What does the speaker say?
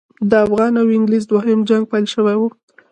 د افغان او انګلیس دوهم جنګ پیل شوی وو.